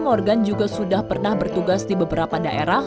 morgan juga sudah pernah bertugas di beberapa daerah